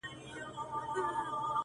• قربانو زړه مـي خپه دى دا څو عمـر.